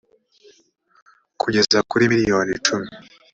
frw kugeza kuri miliyoni icumi